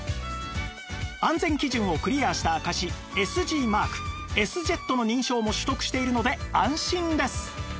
安全基準をクリアした証し ＳＧ マーク Ｓ−ＪＥＴ の認証も取得しているので安心です